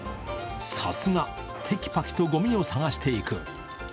さすが、てきぱきとごみを探していく。